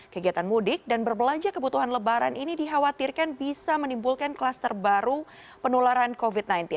kegiatan mudik dan berbelanja kebutuhan lebaran ini dikhawatirkan bisa menimbulkan kluster baru penularan covid sembilan belas